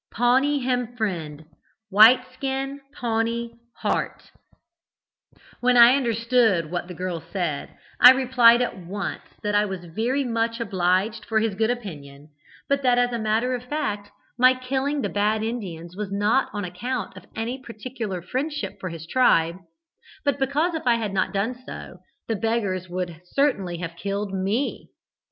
Pawnee him friend, white skin, Pawnee heart.' "When I understood what the girl said, I replied at once that I was very much obliged for his good opinion, but that as a matter of fact my killing the bad Indians was not on account of any particular friendship for his tribe, but because if I had not done so, the beggars would certainly have killed me.